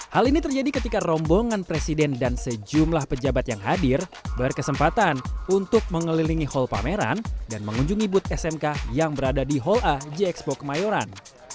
hal ini terjadi ketika rombongan presiden dan sejumlah pejabat yang hadir berkesempatan untuk mengelilingi hall pameran dan mengunjungi booth smk yang berada di hall a g expo kemayoran